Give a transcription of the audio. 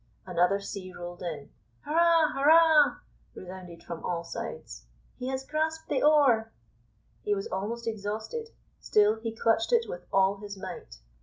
Another sea rolled in. "Hurrah, hurrah!" resounded from all sides; "he has grasped the oar." He was almost exhausted, still he clutched it with all his might.